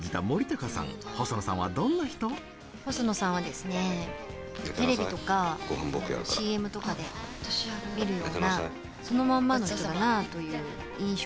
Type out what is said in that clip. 細野さんはですねテレビとかＣＭとかで見るようなそのまんまの人だなあという印象です。